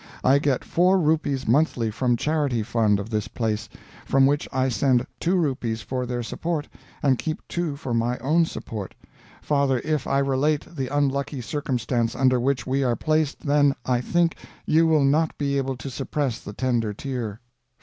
I get four rupees monthly from charity fund of this place, from which I send two rupees for their support, and keep two for my own support. Father, if I relate the unlucky circumstance under which we are placed, then, I think, you will not be able to suppress the tender tear. "52.